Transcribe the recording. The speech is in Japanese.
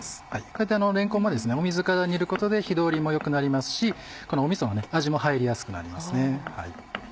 こうやってれんこんも水から煮ることで火通りも良くなりますしみその味も入りやすくなりますね。